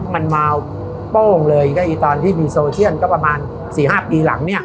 มันมาวโป้งเลยก็ตอนที่มีโซเชียลก็ประมาณ๔๕ปีหลังเนี่ย